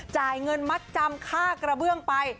จ่ายเงินมัดจำค่ากระเบื้องไป